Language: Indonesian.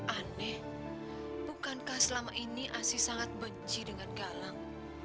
aneh bukankah selama ini asih sangat benci dengan galang